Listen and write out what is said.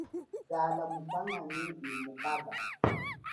Zala mutanganyi nyi mukaba.